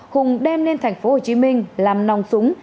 hùng đem lên thành phố hồ chí minh làm nòng súng